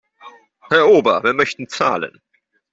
Herr Ober, wir möchten zahlen.